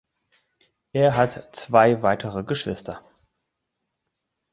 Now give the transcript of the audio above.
Er hat zwei weitere Geschwister.